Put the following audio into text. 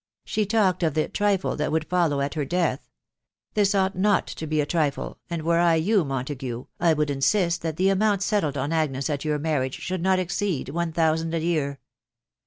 ... IBhe talked of the trifle that would fallow at her death. •.. This ought not to be a trifle, and were I you, Montague, I would insist that the amount settled on Agnes at your marriage should Dot exceed one thousand a year.